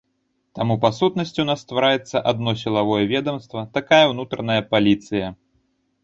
Таму па сутнасці ў нас ствараецца адно сілавое ведамства, такая ўнутраная паліцыя.